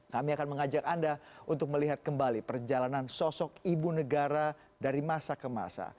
kami akan mengajak anda untuk melihat kembali perjalanan sosok ibu negara dari masa ke masa